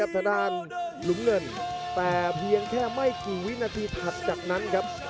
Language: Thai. แต่เพียงแค่ไม่กี่วินาทีผรรดย์จากนั้นครับ